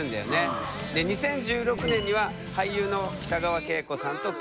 ２０１６年には俳優の北川景子さんと結婚。